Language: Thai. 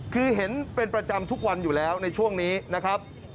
คือเห็นเป็นประจำทุกวันอยู่แล้วในช่วงนี้นะครับ